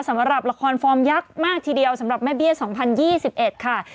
สำหรับละครฟอร์มยักษ์มากทีเดียวสำหรับแม่เบี้ย๒๐๒๑ค่ะ